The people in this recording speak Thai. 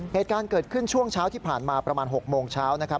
เหตุการณ์เกิดขึ้นช่วงเช้าที่ผ่านมาประมาณ๖โมงเช้านะครับ